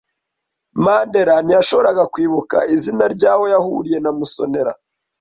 Mandera ntiyashoboraga kwibuka izina ryaho yahuriye na Musonera.